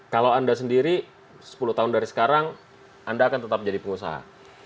kalau anda sendiri sepuluh tahun dari sekarang anda akan tetap jadi pengusaha